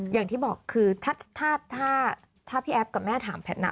อย่างที่บอกคือถ้าพี่แอฟกับแม่ถามแพทย์นะ